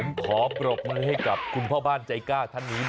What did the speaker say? ผมขอปรบมือให้กับคุณพ่อบ้านใจกล้าท่านนี้